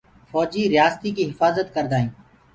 ڦوجي ريآستي ڪيٚ هڦآجد ڪردآ هينٚ۔